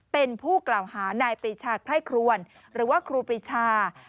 เป็นผู้กล่าวหานายปรีชาไคร่ครวนหรือว่าครูปรีชา